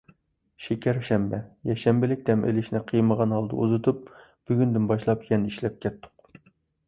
شېكەر شەنبە، يەكشەنبىلىك دەم ئېلىشنى قىيمىغان ھالدا ئۇزىتىپ، بۈگۈندىن باشلاپ يەنە ئىشلەپ كەتتۇق.